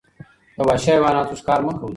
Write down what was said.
د وحشي حیواناتو ښکار مه کوئ.